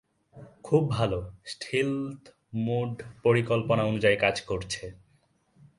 খুব ভালো, stealth mode পরিকল্পনা অনুযায়ী কাজ করছে।